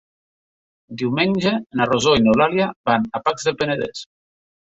Diumenge na Rosó i n'Eulàlia van a Pacs del Penedès.